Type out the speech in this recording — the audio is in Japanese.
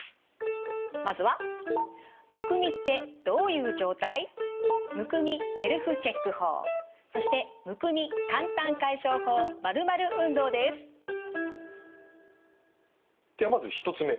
まずはではまず１つ目。